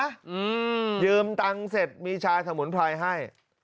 อืมยืมตังค์เสร็จมีชาสมุนไพรให้